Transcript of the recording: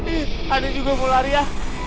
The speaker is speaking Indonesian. ih ada juga mularia